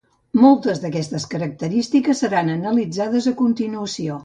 Moltes d'aquestes característiques seran analitzades a continuació.